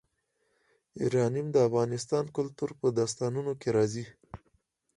یورانیم د افغان کلتور په داستانونو کې راځي.